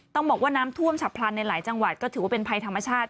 ต้องบอกว่าน้ำท่วมฉับพลันในหลายจังหวัดก็ถือว่าเป็นภัยธรรมชาติ